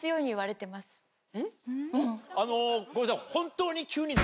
あのごめんなさい。